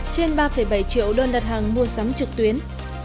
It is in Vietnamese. trên ba bảy triệu đơn đặt hàng mua sắm trực tuyến